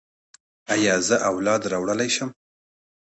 ایا زه اولاد راوړلی شم؟